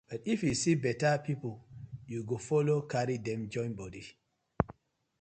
But if yu see beta pipus yu go follo karry dem join bodi.